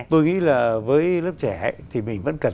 tôi nghĩ là với lớp trẻ thì mình vẫn cần